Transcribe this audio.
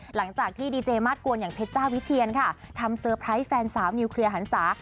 หลังจากที่ดีเจมาสกวนอย่างเพชรจ้าวิเชียนค่ะทำเตอร์ไพรส์แฟนสาวนิวเคลียร์หันศา